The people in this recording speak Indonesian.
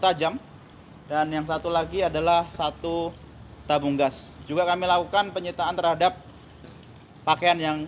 tajam dan yang satu lagi adalah satu tabung gas juga kami lakukan penyitaan terhadap pakaian yang